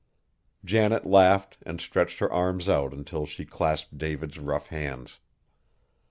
Janet laughed, and stretched her arms out until she clasped David's rough hands.